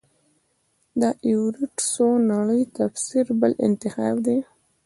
د ایورېټ څو نړۍ تفسیر بل انتخاب دی.